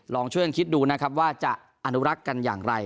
ลองช่วยกันคิดดูนะครับว่าจะอนุรักษ์กันอย่างไร